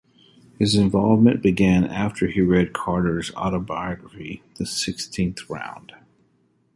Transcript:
His involvement began after he read Carter's autobiography "The Sixteenth Round".